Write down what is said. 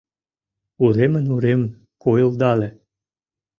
Уремын-уремын койылдале.